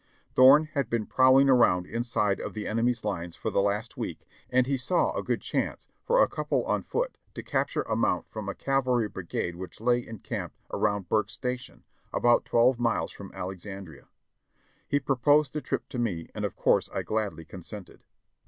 Thorne had been prowling around inside of the enemy's lines for the last week and he saw a good chance for a couple on foot to capture a mount from a cavalry brigade which lay encamped around Burke's Station, about twelve miles from Alexandria. He proposed the trip to me and of course I gladly consented.